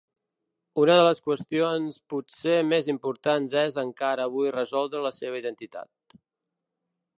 Una de les qüestions potser més importants és encara avui resoldre la seva identitat.